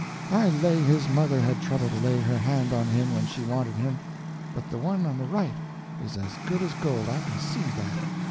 I lay his mother had trouble to lay her hand on him when she wanted him. But the one on the right is as good as gold, I can see that."